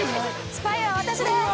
スパイは私です！